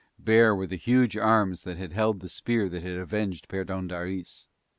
Bare were the huge arms that had held the spear that had avenged Perdóndaris.